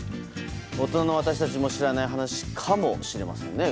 大人の私たちも知らない話かもしれませんね。